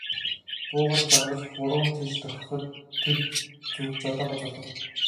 Буугаар зангаж баруун тийш дохиход тэр зүг жолоогоо залав.